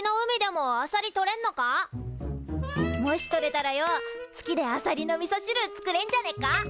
もし採れたらよ月であさりのみそしる作れんじゃねっか？